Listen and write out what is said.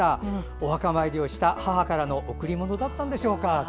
お墓参りをした母からの贈り物だったんでしょうか。